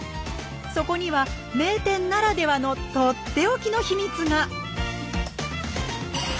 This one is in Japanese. そこには名店ならではのとっておきの秘密が！